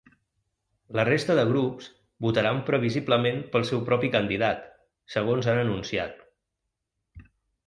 La resta de grups votaran previsiblement pel seu propi candidat, segons han anunciat.